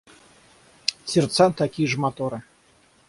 Сердца – такие ж моторы.